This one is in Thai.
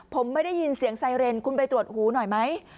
ผมไม่ได้ยินเสียงไซเรนคุณไปตรวจหูหน่อยไหม